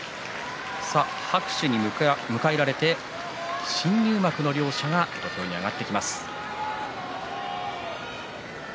拍手に迎えられて新入幕の両者が土俵に上がってきます。